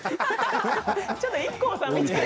ちょっとＩＫＫＯさんみたい。